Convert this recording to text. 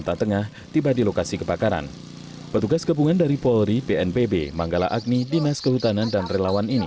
ya nggak jelas tinggal polisi usut aja itu